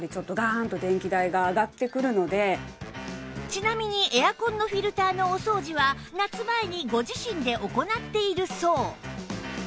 ちなみにエアコンのフィルターのお掃除は夏前にご自身で行っているそう